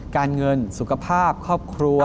การเงินสุขภาพครอบครัว